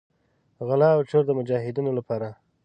غلا او چور د مجاهدینو لپاره.